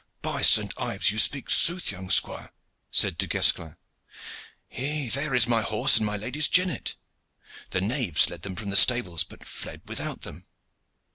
"By Saint Ives! you speak sooth, young squire," said Du Guesclin. "There is my horse and my lady's jennet. The knaves led them from the stables, but fled without them.